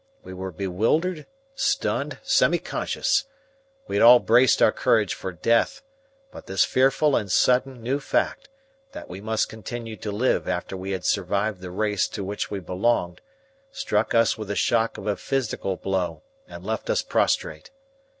We were bewildered, stunned, semi conscious. We had all braced our courage for death, but this fearful and sudden new fact that we must continue to live after we had survived the race to which we belonged struck us with the shock of a physical blow and left us prostrate.